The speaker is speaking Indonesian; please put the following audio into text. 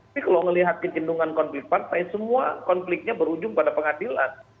tapi kalau melihat kecendungan konflik partai semua konfliknya berujung pada pengadilan